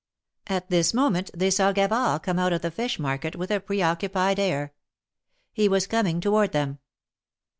At this moment they saw Gavard come out of the fish market, with a preoccupied air. He was coming toward them.